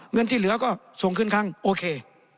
เงินที่เหลือก็ส่งขึ้นครั้งโอเค